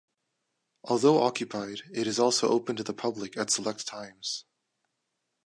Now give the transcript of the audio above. Although occupied, it is also open to the public at select times.